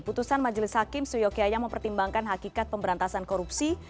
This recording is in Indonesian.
putusan majelis hakim suyokya yang mempertimbangkan hakikat pemberantasan korupsi